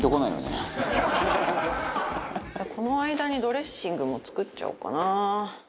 この間にドレッシングも作っちゃおうかな。